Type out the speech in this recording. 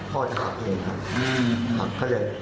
พ่อถามเองครับ